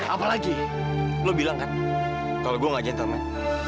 apalagi lo bilang kan kalau gue gak gentleman